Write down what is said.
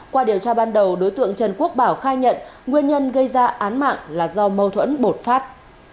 qua điều tra ban đầu đối tượng trần quốc bảo khai nhận nguyên nhân gây ra án mạng là do mâu thuẫn bột phát